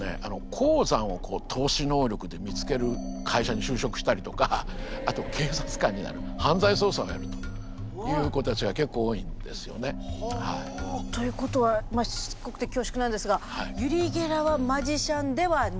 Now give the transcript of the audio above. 鉱山を透視能力で見つける会社に就職したりとかあと警察官になる犯罪捜査をやるという子たちは結構多いんですよね。ということはしつこくて恐縮なんですがユリ・ゲラーはマジシャンではない？